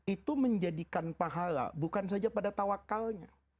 itu menjadikan pahala bukan saja pada tawakalnya